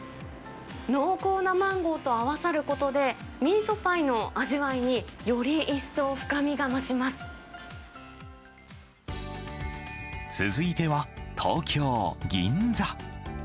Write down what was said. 濃厚なマンゴーと合わさることで、ミートパイの味わいに、続いては、東京・銀座。